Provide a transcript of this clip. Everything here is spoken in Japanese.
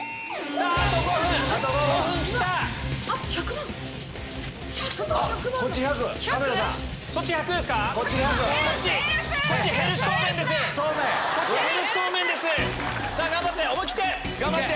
さぁ頑張って！